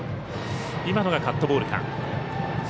今のがカットボールか。